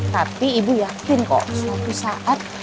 tapi ibu yakin kok suatu saat